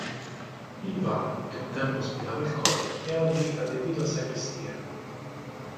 Il vano che un tempo ospitava il coro è oggi adibito a sacrestia.